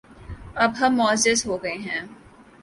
اب ہم معزز ہو گئے ہیں